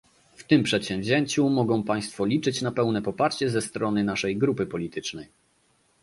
W tym przedsięwzięciu mogą państwo liczyć na pełne poparcie ze strony naszej grupy politycznej